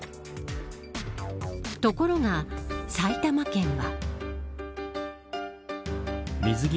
ところが、埼玉県は。